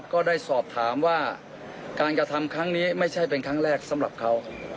ก็ได้สอบถามว่าการกระทำครั้งนี้ไม่ใช่เป็นครั้งแรกสำหรับเขา